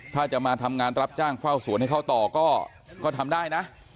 ถ้าจะมาทำงานรับจ้างเฝ้าสวนให้เขาต่อก็ทำได้นะ